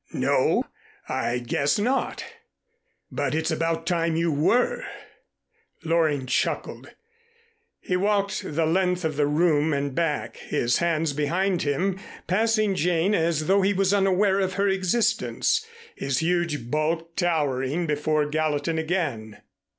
"No, I guess not. But it's about time you were," Loring chuckled. He walked the length of the room and back, his hands behind him, passing Jane as though he was unaware of her existence, his huge bulk towering before Gallatin again.